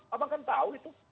abang kan tahu itu